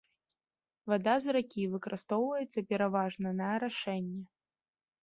Вада з ракі выкарыстоўваецца пераважна на арашэнне.